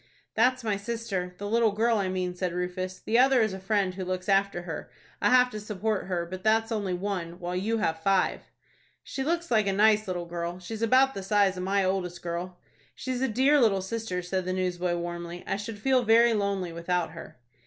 "That's my sister, the little girl I mean," said Rufus, "The other is a friend who looks after her. I have to support her; but that's only one, while you have five." "She looks like a nice little girl. She is about the size of my oldest girl." "She's a dear little sister," said the newsboy, warmly. "I should feel very lonely without her."